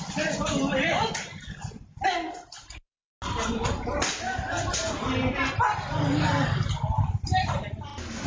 สุดท้ายเกิดอะไรขึ้นไปดูนะครับ